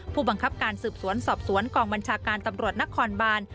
ผู้บังคับการสืบสวนสอบสวนกองบัญชาการตำรวจนครบาน